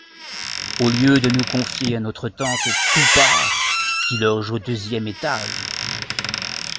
Au lieu de nous confier à notre tante TOUPART. qui loge au deuxième étage !